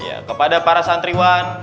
ya kepada para santriwan